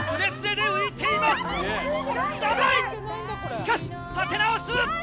しかし立て直す！